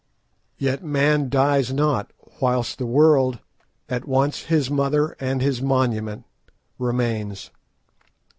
Yet man dies not whilst the world, at once his mother and his monument, remains.